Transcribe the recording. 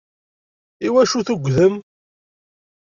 Iwacu tugdem?